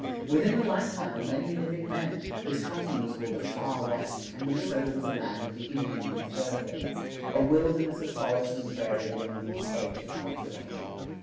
Within the lifetime of many living men, Wisconsin was called the "Far West," and Minnesota was a land of the Indian and the fur traders, a wilderness of forest and prairie beyond the "edge of cultivation."